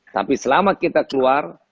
tapi selama kita keluar